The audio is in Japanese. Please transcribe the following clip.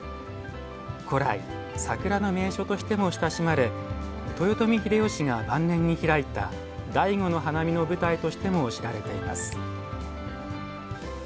古来、桜の名所としても親しまれ豊臣秀吉が晩年に開いた「醍醐の花見」の舞台としても知られています。